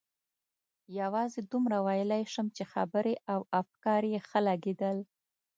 یوازې دومره ویلای شم چې خبرې او اشعار یې ښه لګېدل.